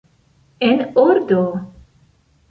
En ordo!